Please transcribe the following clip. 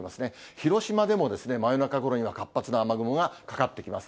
広島でも真夜中ごろには活発な雨雲がかかってきます。